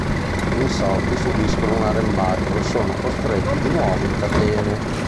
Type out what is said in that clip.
Gli insorti subiscono un arrembaggio e sono costretti di nuovo in catene.